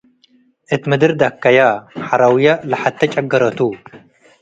እት ምድር ደከየ - ሐረውየ ለሐቴ ጭገረት